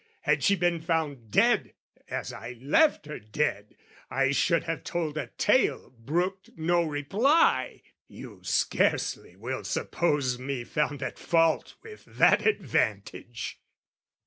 Had she been found dead, as I left her dead, I should have told a tale brooked no reply: You scarcely will suppose me found at fault With that advantage!